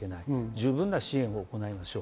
十分な支援を行いましょう。